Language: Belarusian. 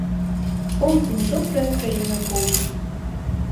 Поўдзень, добрая краіна поўдзень!